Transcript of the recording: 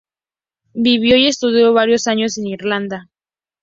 Vivió y estudió varios años en Irlanda.